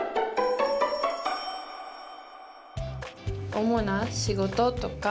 主な仕事とか。